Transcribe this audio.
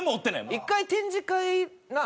１回展示会なあ？